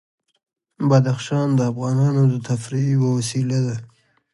بدخشان د افغانانو د تفریح یوه وسیله ده.